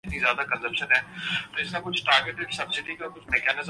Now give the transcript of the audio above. تو عوام امنڈ آتے ہیں۔